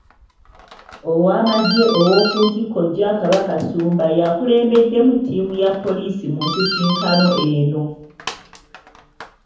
Owamajje ow'okuntiko Jack Bakasumba y'akulembeddemu ttiimu ya poliisi mu nsisinkano eno.